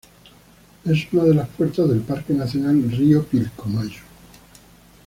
Es una de las puertas del Parque nacional Río Pilcomayo.